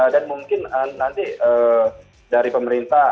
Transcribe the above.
dan mungkin nanti dari pemerintah